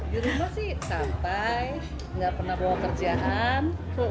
di rumah sih sampai tidak pernah bawa kerjaan